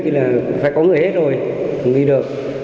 thì là phải có người hết rồi không đi được